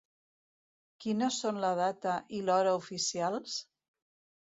Quines són la data i l'hora oficials?